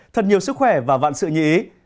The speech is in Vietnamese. thật nhiều sức khỏe và vạn sự nhị ý